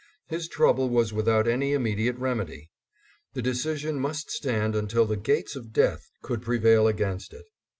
His trouble was without any immediate remedy. The decision must stand until the gates of death could prevail against it.